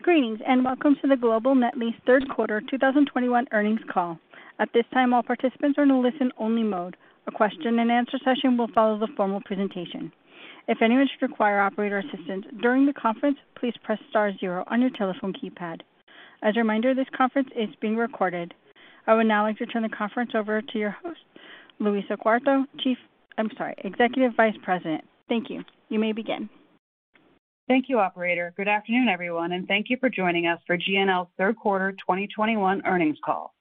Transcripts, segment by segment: Greetings, and welcome to the Global Net Lease third quarter 2021 earnings call. At this time, all participants are in a listen-only mode. A question-and-answer session will follow the formal presentation. If anyone should require operator assistance during the conference, please press star zero on your telephone keypad. As a reminder, this conference is being recorded. I would now like to turn the conference over to your host, Louisa Quarto, Executive Vice President. Thank you. You may begin. Thank you, operator. Good afternoon, everyone, and thank you for joining us for GNL's third quarter 2021 earnings call.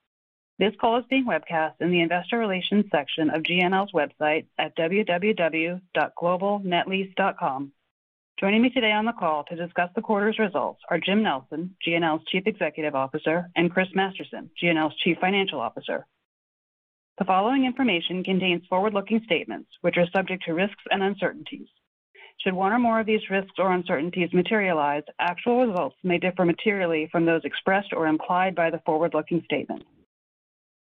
This call is being webcast in the investor relations section of GNL's website at www.globalnetlease.com. Joining me today on the call to discuss the quarter's results are Jim Nelson, GNL's Chief Executive Officer, and Chris Masterson, GNL's Chief Financial Officer. The following information contains forward-looking statements which are subject to risks and uncertainties. Should one or more of these risks or uncertainties materialize, actual results may differ materially from those expressed or implied by the forward-looking statement.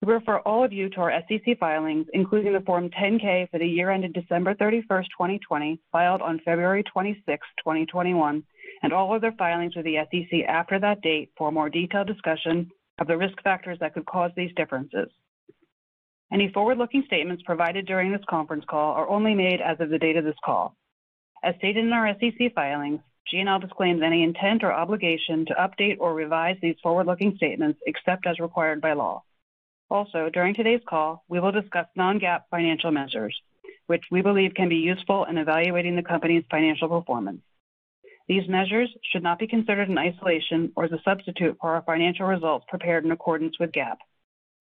We refer all of you to our SEC filings, including the Form 10-K for the year ended December 31st, 2020, filed on February 26th, 2021, and all other filings with the SEC after that date for a more detailed discussion of the risk factors that could cause these differences. Any forward-looking statements provided during this conference call are only made as of the date of this call. As stated in our SEC filings, GNL disclaims any intent or obligation to update or revise these forward-looking statements except as required by law. Also, during today's call, we will discuss non-GAAP financial measures, which we believe can be useful in evaluating the company's financial performance. These measures should not be considered in isolation or as a substitute for our financial results prepared in accordance with GAAP.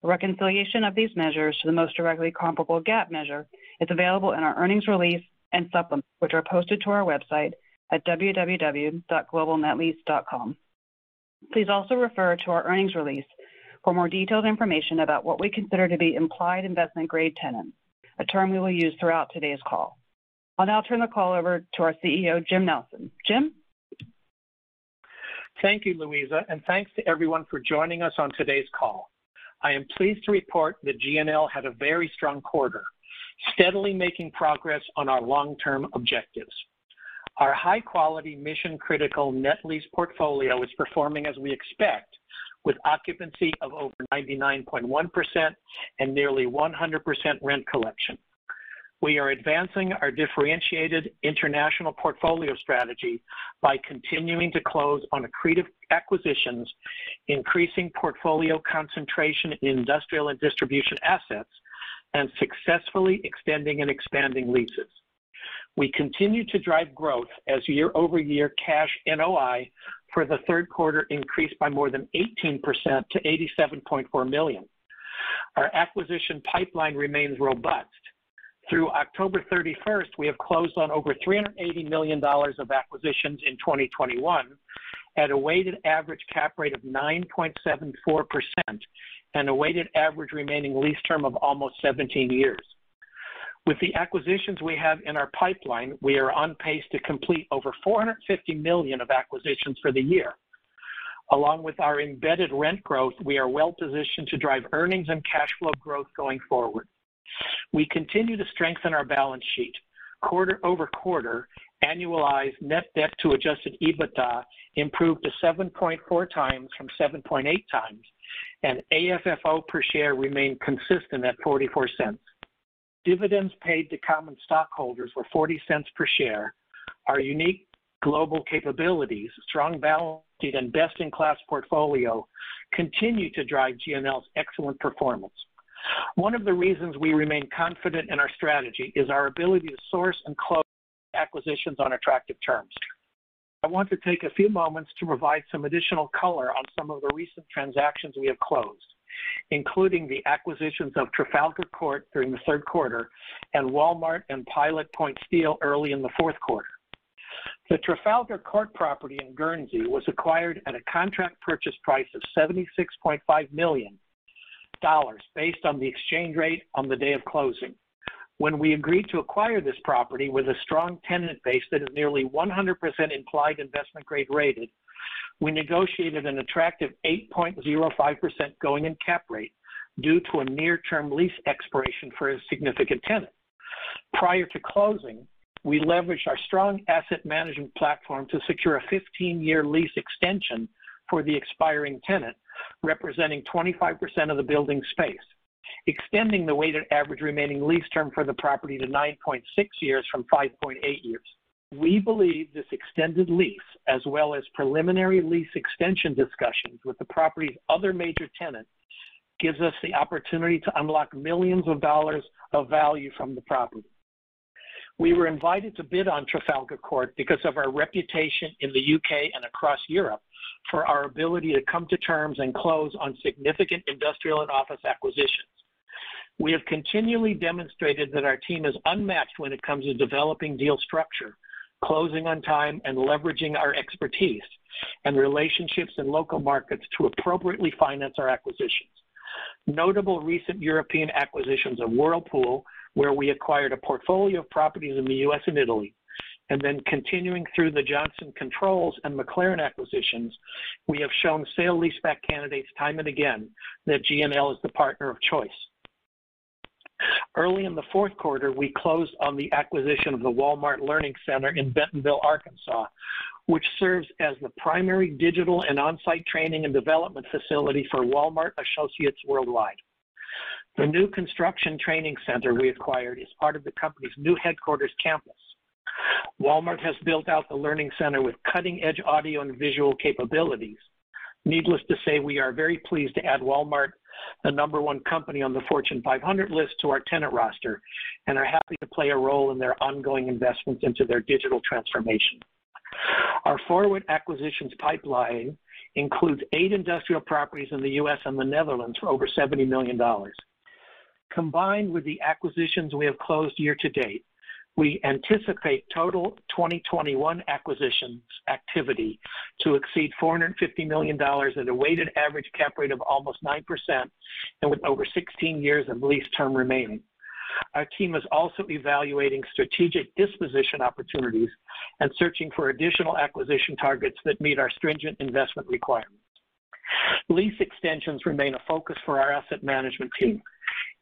A reconciliation of these measures to the most directly comparable GAAP measure is available in our earnings release and supplements, which are posted to our website at www.globalnetlease.com. Please also refer to our earnings release for more detailed information about what we consider to be implied investment grade tenants, a term we will use throughout today's call. I'll now turn the call over to our CEO, Jim Nelson. Jim? Thank you, Louisa, and thanks to everyone for joining us on today's call. I am pleased to report that GNL had a very strong quarter, steadily making progress on our long-term objectives. Our high quality mission critical net lease portfolio is performing as we expect with occupancy of over 99.1% and nearly 100% rent collection. We are advancing our differentiated international portfolio strategy by continuing to close on accretive acquisitions, increasing portfolio concentration in industrial and distribution assets, and successfully extending and expanding leases. We continue to drive growth as year-over-year cash NOI for the third quarter increased by more than 18% to $87.4 million. Our acquisition pipeline remains robust. Through October 31st, we have closed on over $380 million of acquisitions in 2021 at a weighted average cap rate of 9.74% and a weighted average remaining lease term of almost 17 years. With the acquisitions we have in our pipeline, we are on pace to complete over $450 million of acquisitions for the year. Along with our embedded rent growth, we are well-positioned to drive earnings and cash flow growth going forward. We continue to strengthen our balance sheet. Quarter-over-quarter, annualized net debt to adjusted EBITDA improved to 7.4x from 7.8x, and AFFO per share remained consistent at $0.44. Dividends paid to common stockholders were $0.40 per share. Our unique global capabilities, strong balance sheet and best-in-class portfolio continue to drive GNL's excellent performance. One of the reasons we remain confident in our strategy is our ability to source and close acquisitions on attractive terms. I want to take a few moments to provide some additional color on some of the recent transactions we have closed, including the acquisitions of Trafalgar Court during the third quarter and Walmart and Pilot Point Steel early in the fourth quarter. The Trafalgar Court property in Guernsey was acquired at a contract purchase price of $76.5 million based on the exchange rate on the day of closing. When we agreed to acquire this property with a strong tenant base that is nearly 100% implied investment grade, we negotiated an attractive 8.05% going in cap rate due to a near-term lease expiration for a significant tenant. Prior to closing, we leveraged our strong asset management platform to secure a 15-year lease extension for the expiring tenant, representing 25% of the building space, extending the weighted average remaining lease term for the property to 9.6 years from 5.8 years. We believe this extended lease, as well as preliminary lease extension discussions with the property's other major tenant, gives us the opportunity to unlock millions of dollars of value from the property. We were invited to bid on Trafalgar Court because of our reputation in the U.K. and across Europe for our ability to come to terms and close on significant industrial and office acquisitions. We have continually demonstrated that our team is unmatched when it comes to developing deal structure, closing on time, and leveraging our expertise and relationships in local markets to appropriately finance our acquisitions. Notable recent European acquisitions of Whirlpool, where we acquired a portfolio of properties in the U.S. and Italy, and then continuing through the Johnson Controls and McLaren acquisitions, we have shown sale-leaseback candidates time and again that GNL is the partner of choice. Early in the fourth quarter, we closed on the acquisition of the Walmart Learning Center in Bentonville, Arkansas, which serves as the primary digital and on-site training and development facility for Walmart associates worldwide. The new construction training center we acquired is part of the company's new headquarters campus. Walmart has built out the learning center with cutting-edge audio and visual capabilities. Needless to say, we are very pleased to add Walmart, the number one company on the Fortune 500 list, to our tenant roster, and are happy to play a role in their ongoing investments into their digital transformation. Our forward acquisitions pipeline includes eight industrial properties in the U.S. and the Netherlands for over $70 million. Combined with the acquisitions we have closed year-to-date, we anticipate total 2021 acquisitions activity to exceed $450 million at a weighted average cap rate of almost 9%, and with over 16 years of lease term remaining. Our team is also evaluating strategic disposition opportunities and searching for additional acquisition targets that meet our stringent investment requirements. Lease extensions remain a focus for our asset management team.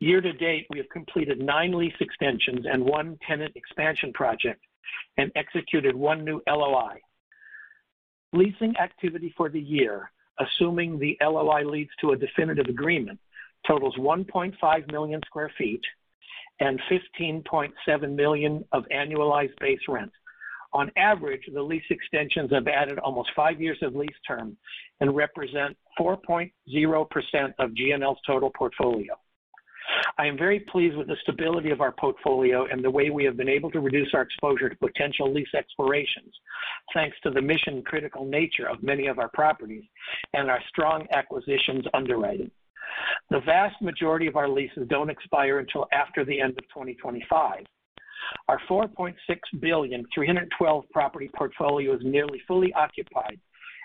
Year-to-date, we have completed nine lease extensions and one tenant expansion project and executed 1 new LOI. Leasing activity for the year, assuming the LOI leads to a definitive agreement, totals 1.5 million sq ft and $15.7 million of annualized base rent. On average, the lease extensions have added almost five years of lease term and represent 4.0% of GNL's total portfolio. I am very pleased with the stability of our portfolio and the way we have been able to reduce our exposure to potential lease expirations, thanks to the mission-critical nature of many of our properties and our strong acquisitions underwriting. The vast majority of our leases don't expire until after the end of 2025. Our $4.6 billion, 312-property portfolio is nearly fully occupied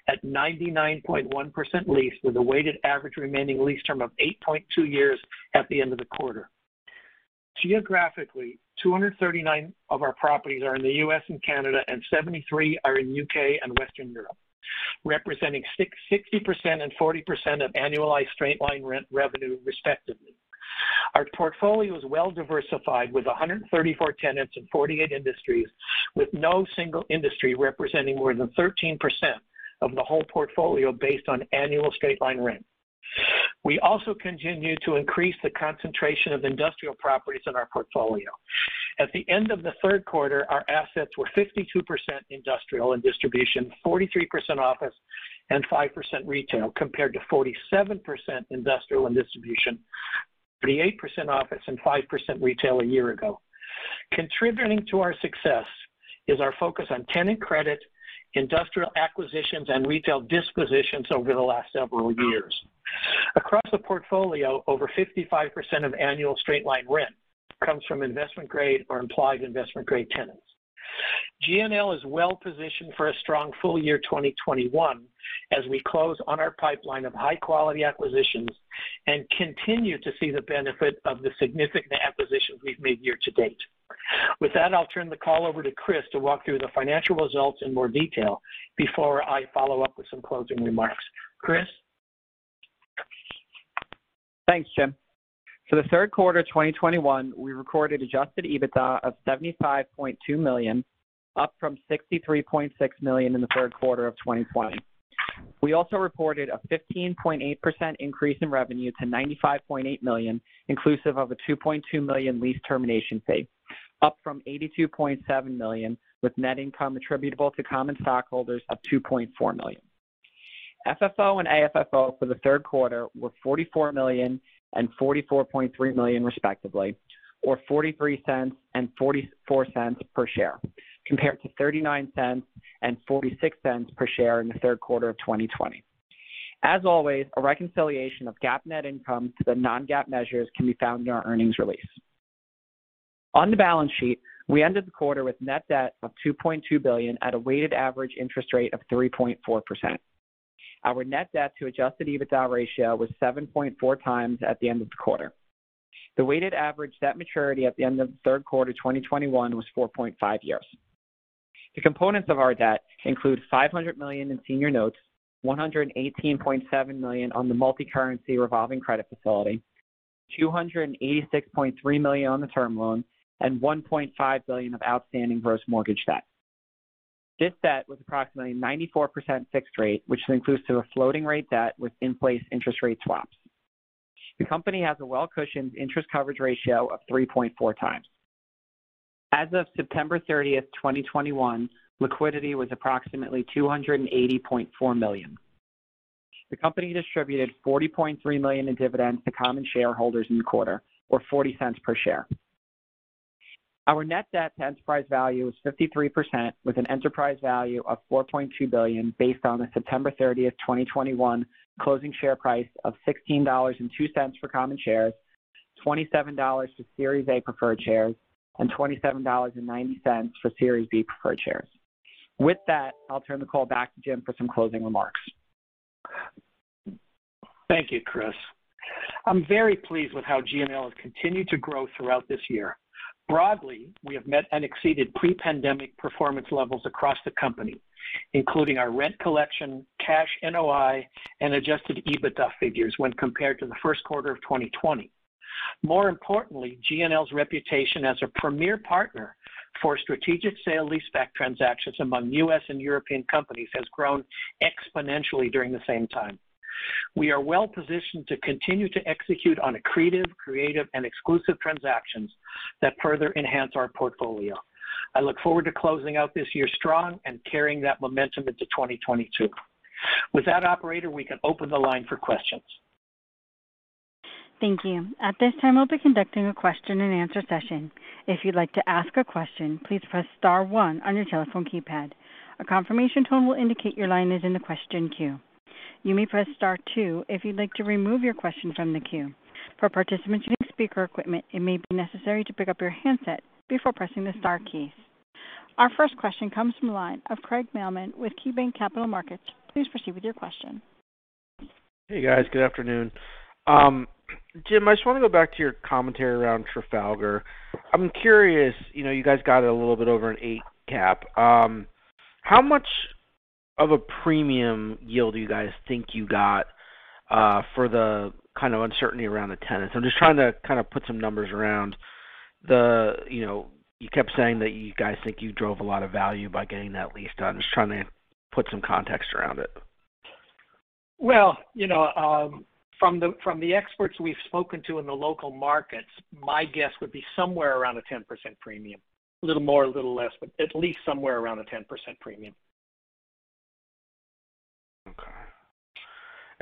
at 99.1% leased, with a weighted average remaining lease term of 8.2 years at the end of the quarter. Geographically, 239 of our properties are in the U.S. and Canada, and 73 are in the U.K. and Western Europe, representing 60% and 40% of annualized straight-line rent revenue respectively. Our portfolio is well diversified with 134 tenants in 48 industries, with no single industry representing more than 13% of the whole portfolio based on annual straight-line rent. We also continue to increase the concentration of industrial properties in our portfolio. At the end of the third quarter, our assets were 52% industrial and distribution, 43% office, and 5% retail, compared to 47% industrial and distribution, 38% office, and 5% retail a year ago. Contributing to our success is our focus on tenant credit, industrial acquisitions, and retail dispositions over the last several years. Across the portfolio, over 55% of annual straight-line rent comes from investment grade or implied investment grade tenants. GNL is well positioned for a strong full-year 2021 as we close on our pipeline of high-quality acquisitions and continue to see the benefit of the significant acquisitions we've made year-to-date. With that, I'll turn the call over to Chris to walk through the financial results in more detail before I follow up with some closing remarks. Chris? Thanks, Jim. For the third quarter of 2021, we recorded adjusted EBITDA of $75.2 million, up from $63.6 million in the third quarter of 2020. We also reported a 15.8% increase in revenue to $95.8 million, inclusive of a $2.2 million lease termination fee, up from $82.7 million, with net income attributable to common stockholders of $2.4 million. FFO and AFFO for the third quarter were $44 million and $44.3 million respectively, or $0.43 and $0.44 per share, compared to $0.39 and $0.46 per share in the third quarter of 2020. As always, a reconciliation of GAAP net income to the non-GAAP measures can be found in our earnings release. On the balance sheet, we ended the quarter with net debt of $2.2 billion at a weighted average interest rate of 3.4%. Our net debt to adjusted EBITDA ratio was 7.4x at the end of the quarter. The weighted average debt maturity at the end of the third quarter 2021 was 4.5 years. The components of our debt include $500 million in senior notes, $118.7 million on the multi-currency revolving credit facility, $286.3 million on the term loan, and $1.5 billion of outstanding gross mortgage debt. This debt was approximately 94% fixed rate, which includes the floating rate debt with in-place interest rate swaps. The company has a well-cushioned interest coverage ratio of 3.4x. As of September 30th, 2021, liquidity was approximately $280.4 million. The company distributed $40.3 million in dividends to common shareholders in the quarter, or $0.40 per share. Our net debt to enterprise value is 53%, with an enterprise value of $4.2 billion based on the September 30th, 2021 closing share price of $16.02 for common shares, $27 for Series A preferred shares, and $27.90 for Series B preferred shares. With that, I'll turn the call back to Jim for some closing remarks. Thank you, Chris. I'm very pleased with how GNL has continued to grow throughout this year. Broadly, we have met and exceeded pre-pandemic performance levels across the company, including our rent collection, cash NOI, and adjusted EBITDA figures when compared to the first quarter of 2020. More importantly, GNL's reputation as a premier partner for strategic sale-leaseback transactions among U.S. and European companies has grown exponentially during the same time. We are well positioned to continue to execute on accretive, creative, and exclusive transactions that further enhance our portfolio. I look forward to closing out this year strong and carrying that momentum into 2022. With that, operator, we can open the line for questions. Thank you. At this time, we'll be conducting a question and answer session. If you'd like to ask a question, please press star one on your telephone keypad. A confirmation tone will indicate your line is in the question queue. You may press star two if you'd like to remove your question from the queue. For participants using speaker equipment, it may be necessary to pick up your handset before pressing the star keys. Our first question comes from the line of Craig Mailman with KeyBanc Capital Markets. Please proceed with your question. Hey, guys. Good afternoon. Jim, I just want to go back to your commentary around Trafalgar. I'm curious, you know, you guys got a little bit over an 8% cap. How much of a premium yield do you guys think you got for the kind of uncertainty around the tenants? I'm just trying to kind of put some numbers around the, you know, you kept saying that you guys think you drove a lot of value by getting that lease done. Just trying to put some context around it. Well, you know, from the experts we've spoken to in the local markets, my guess would be somewhere around a 10% premium. A little more or a little less, but at least somewhere around a 10% premium.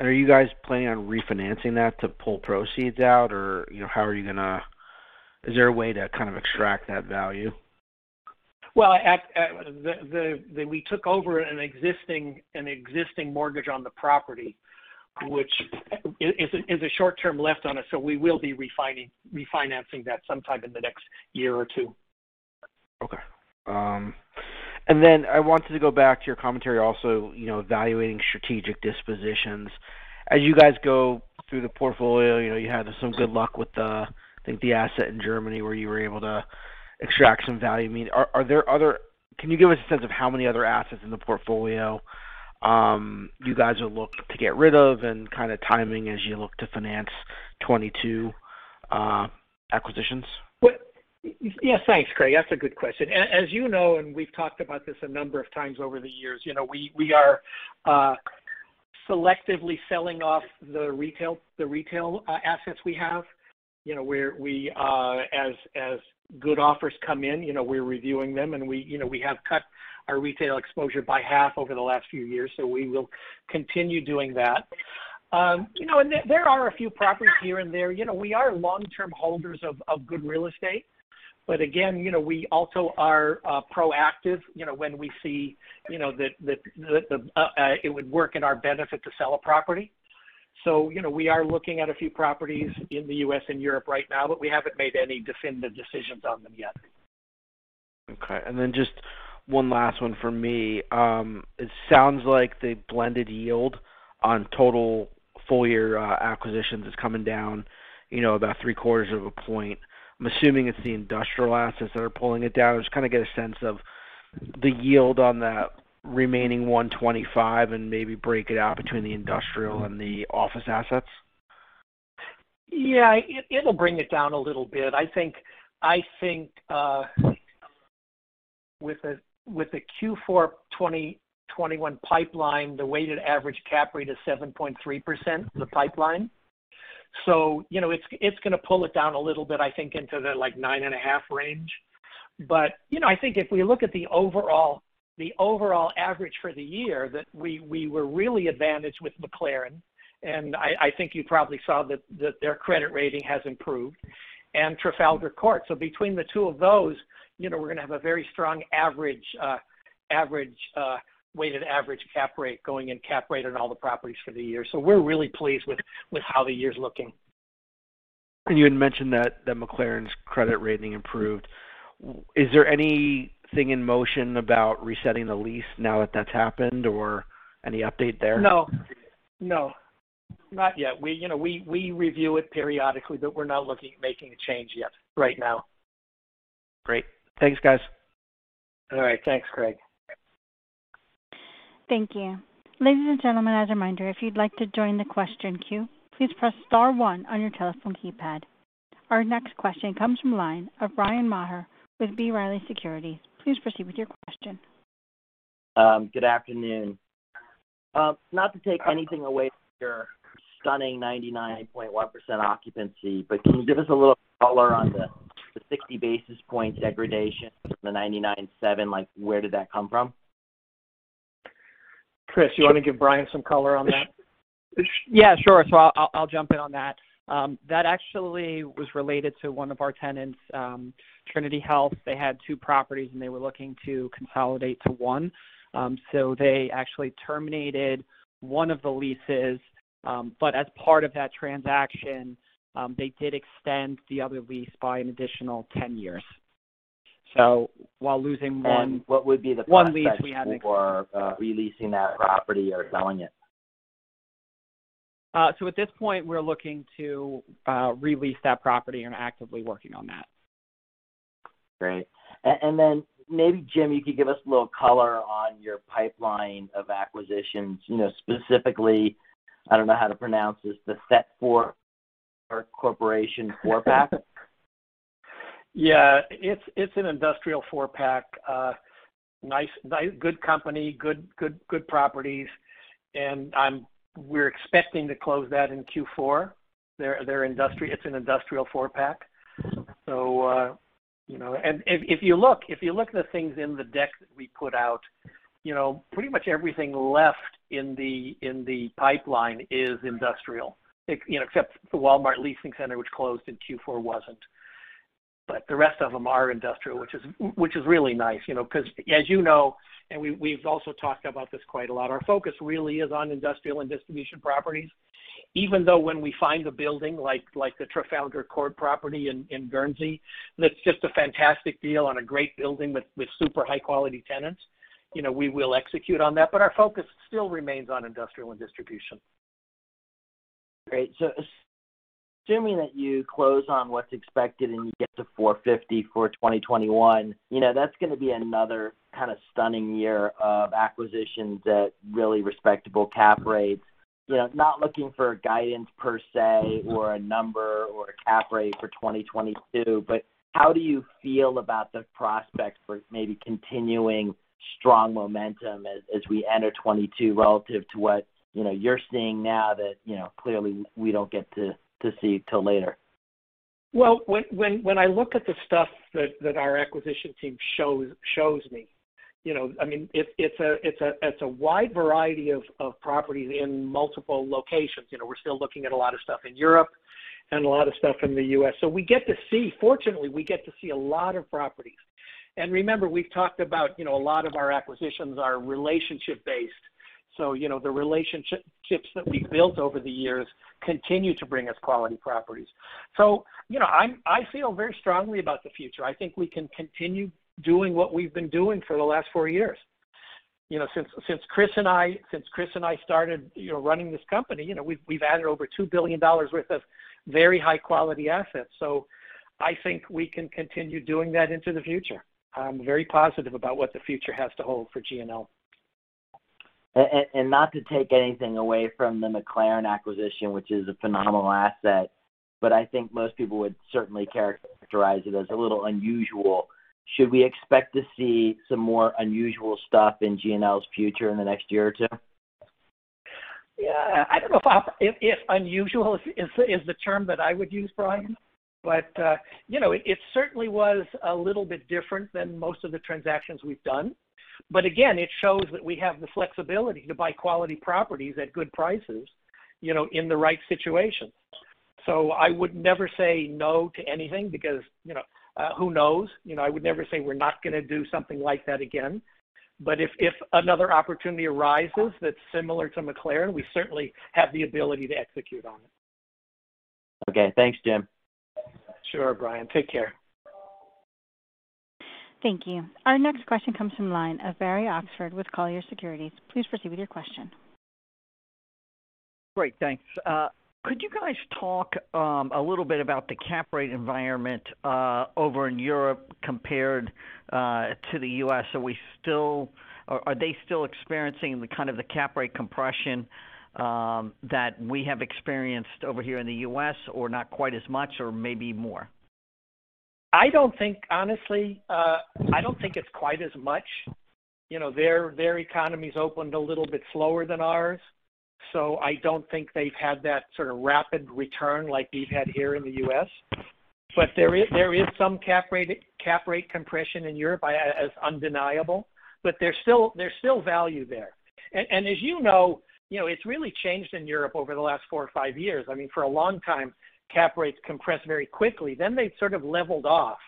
Okay. Are you guys planning on refinancing that to pull proceeds out? You know, how are you gonna? Is there a way to kind of extract that value? Well, we took over an existing mortgage on the property, which is a short-term left on it, so we will be refinancing that sometime in the next year or two. Okay. I wanted to go back to your commentary also, you know, evaluating strategic dispositions. As you guys go through the portfolio, you know, you had some good luck with the, I think the asset in Germany where you were able to extract some value. I mean, can you give us a sense of how many other assets in the portfolio you guys will look to get rid of and kind of timing as you look to finance 22 acquisitions? Well, yes, thanks, Craig. That's a good question. As you know, and we've talked about this a number of times over the years, you know, we are selectively selling off the retail assets we have. You know, we're as good offers come in, you know, we're reviewing them, and we, you know, we have cut our retail exposure by half over the last few years, so we will continue doing that. You know, and there are a few properties here and there. You know, we are long-term holders of good real estate. Again, you know, we also are proactive, you know, when we see, you know, that it would work in our benefit to sell a property. You know, we are looking at a few properties in the U.S. and Europe right now, but we haven't made any final decisions on them yet. Okay. Just one last one for me. It sounds like the blended yield on total full-year acquisitions is coming down, you know, about 3/4 of a point. I'm assuming it's the industrial assets that are pulling it down. Just kind of get a sense of the yield on that remaining $125 million and maybe break it out between the industrial and the office assets. Yeah. It'll bring it down a little bit. I think with the Q4 2021 pipeline, the weighted average cap rate is 7.3%, the pipeline. You know, it's gonna pull it down a little bit, I think, into the like 9.5 range. You know, I think if we look at the overall average for the year that we were really advantaged with McLaren, and I think you probably saw that their credit rating has improved, and Trafalgar Court. Between the two of those, you know, we're gonna have a very strong average weighted average cap rate going in, cap rate on all the properties for the year. We're really pleased with how the year's looking. You had mentioned that McLaren's credit rating improved. Is there anything in motion about resetting the lease now that that's happened or any update there? No. Not yet. We, you know, we review it periodically, but we're not looking at making a change yet right now. Great. Thanks, guys. All right. Thanks, Craig. Thank you. Ladies and gentlemen, as a reminder, if you'd like to join the question queue, please press star one on your telephone keypad. Our next question comes from the line of Bryan Maher with B. Riley Securities. Please proceed with your question. Good afternoon. Not to take anything away from your stunning 99.1% occupancy, but can you give us a little color on the 60 basis point degradation from the 99.7? Like, where did that come from? Chris, you want to give Bryan some color on that? Yeah, sure. I'll jump in on that. That actually was related to one of our tenants, Trinity Health. They had two properties, and they were looking to consolidate to one. They actually terminated one of the leases. As part of that transaction, they did extend the other lease by an additional 10 years. While losing one- What would be the upside? One lease we had. for re-leasing that property or selling it? At this point, we're looking to re-lease that property and are actively working on that. Great. Maybe, Jim, you could give us a little color on your pipeline of acquisitions. You know, specifically, I don't know how to pronounce this, the Thetford Corporation four-pack. Yeah. It's an industrial four-pack. Nice, good company, good properties. We're expecting to close that in Q4. It's an industrial four-pack. You know, if you look at the things in the deck that we put out, you know, pretty much everything left in the pipeline is industrial. It, you know, except the Walmart Learning Center which closed in Q4 wasn't. The rest of them are industrial, which is really nice, you know. 'Cause as you know, we've also talked about this quite a lot, our focus really is on industrial and distribution properties. Even though when we find a building like the Trafalgar Court property in Guernsey, and it's just a fantastic deal on a great building with super high quality tenants, you know, we will execute on that, but our focus still remains on industrial and distribution. Great. Assuming that you close on what's expected, and you get to $450 million for 2021, you know, that's gonna be another kind of stunning year of acquisitions at really respectable cap rates. You know, not looking for guidance per se or a number or a cap rate for 2022, but how do you feel about the prospects for maybe continuing strong momentum as we enter 2022 relative to what, you know, you're seeing now that, you know, clearly we don't get to see till later? Well, when I look at the stuff that our acquisition team shows me, you know, I mean, it's a wide variety of properties in multiple locations. You know, we're still looking at a lot of stuff in Europe and a lot of stuff in the U.S. So we get to see, fortunately, we get to see a lot of properties. Remember, we've talked about, you know, a lot of our acquisitions are relationship based. You know, I feel very strongly about the future. I think we can continue doing what we've been doing for the last four years. You know, since Chris and I started, you know, running this company, you know, we've added over $2 billion worth of very high quality assets. I think we can continue doing that into the future. I'm very positive about what the future has to hold for GNL. Not to take anything away from the McLaren acquisition, which is a phenomenal asset, but I think most people would certainly characterize it as a little unusual. Should we expect to see some more unusual stuff in GNL's future in the next year or two? Yeah. I don't know if unusual is the term that I would use, Bryan, but you know, it certainly was a little bit different than most of the transactions we've done. It shows that we have the flexibility to buy quality properties at good prices, you know, in the right situations. I would never say no to anything because, you know, who knows? You know, I would never say we're not gonna do something like that again. If another opportunity arises that's similar to McLaren, we certainly have the ability to execute on it. Okay. Thanks, Jim. Sure, Bryan. Take care. Thank you. Our next question comes from the line of Barry Oxford with Colliers Securities. Please proceed with your question. Great. Thanks. Could you guys talk a little bit about the cap rate environment over in Europe compared to the U.S.? Or are they still experiencing the kind of cap rate compression that we have experienced over here in the U.S., or not quite as much, or maybe more? I don't think honestly, I don't think it's quite as much. You know, their economy's opened a little bit slower than ours, so I don't think they've had that sort of rapid return like we've had here in the U.S. But there is some cap rate compression in Europe. It's undeniable, but there's still value there. As you know, it's really changed in Europe over the last four or five years. I mean, for a long time, cap rates compressed very quickly, then they sort of leveled off.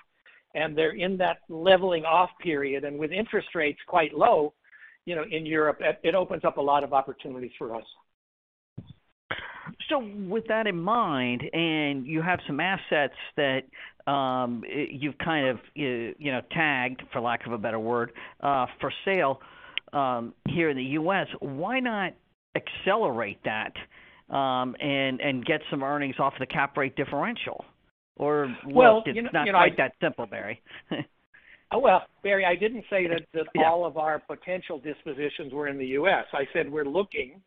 They're in that leveling off period. With interest rates quite low, you know, in Europe, it opens up a lot of opportunities for us. With that in mind, and you have some assets that you've kind of you know tagged, for lack of a better word, for sale here in the U.S., why not accelerate that and get some earnings off the cap rate differential? Or- Well, you know, It's not quite that simple, Barry. Well, Barry, I didn't say that. Yeah All of our potential dispositions were in the U.S. I said we're looking.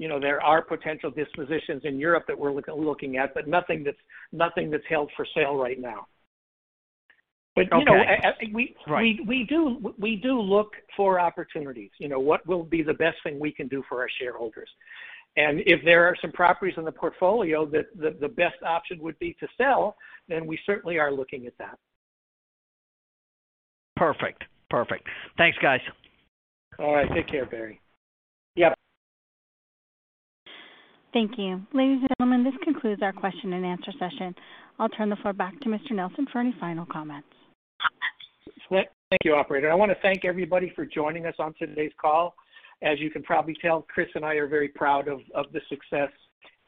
You know, there are potential dispositions in Europe that we're looking at, but nothing that's held for sale right now. Okay. You know, Right We do look for opportunities. You know, what will be the best thing we can do for our shareholders. If there are some properties in the portfolio that the best option would be to sell, then we certainly are looking at that. Perfect. Perfect. Thanks, guys. All right. Take care, Barry. Yeah. Thank you. Ladies and gentlemen, this concludes our question and answer session. I'll turn the floor back to Mr. Nelson for any final comments. Thank you, operator. I wanna thank everybody for joining us on today's call. As you can probably tell, Chris and I are very proud of the success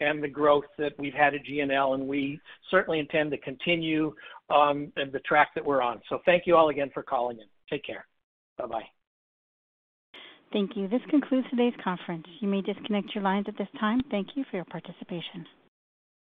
and the growth that we've had at GNL, and we certainly intend to continue in the track that we're on. Thank you all again for calling in. Take care. Bye-bye. Thank you. This concludes today's conference. You may disconnect your lines at this time. Thank you for your participation.